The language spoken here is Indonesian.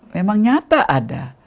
memang nyata ada